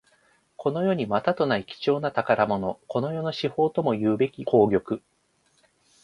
この世にまたとない貴重な宝物。この世の至宝ともいうべき宝玉。